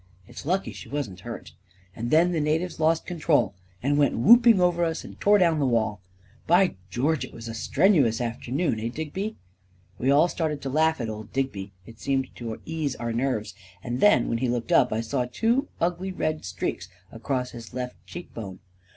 It's lucky she wasn't hurt! And then the natives lost control, and went whooping over us and tore down the wall I By George, it was a strenuous afternoon — eh, Digby?" We all started to laugh at old Digby — it seemed to ease our nerves — and then, when he looked up, I saw two ugly red streaks across his left cheek bone.